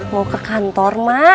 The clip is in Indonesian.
mau ke kantor mak